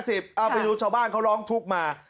เอาไปดูชาวบ้านเขาร้องทุกข์มา